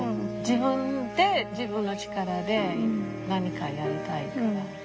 自分で自分の力で何かやりたいから。